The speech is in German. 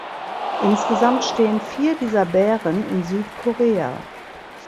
Insgesamt stehen vier dieser Bären in Südkorea.